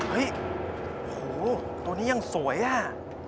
เฮ้ยโหตัวนี้ยังสวยอะ